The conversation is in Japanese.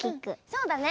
そうだね。